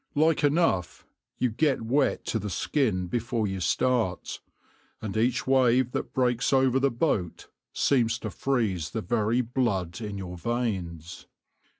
Like enough you get wet to the skin before you start, and each wave that breaks over the boat seems to freeze the very blood in your veins.